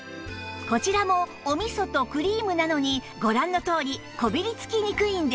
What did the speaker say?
こちらもお味噌とクリームなのにご覧のとおりこびりつきにくいんです